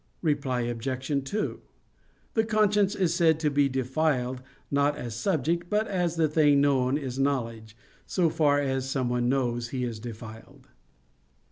Reply Obj. 2: The conscience is said to be defiled, not as a subject, but as the thing known is in knowledge; so far as someone knows he is defiled.